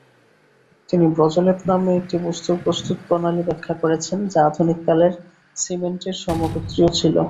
তিনি ব্রজলেপ নামে একটি বস্তুর প্রস্তুতপ্রণালী ব্যাখ্যা করেছেন যা আধুনিককালের সিমেন্টের সমগোত্রীয় ছিল।